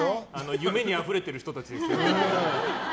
夢にあふれてる人たちですよね。